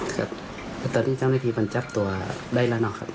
ครับแต่ตอนนี้จ้างแม่ทีมันจับตัวได้แล้วเนอะครับ